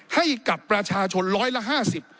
ให้กับประชาชนร้อยละ๕๐